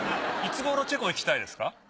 いつ頃チェコ行きたいですか？